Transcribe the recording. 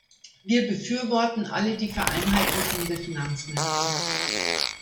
Wir befürworten alle die Vereinheitlichung der Finanzmärkte.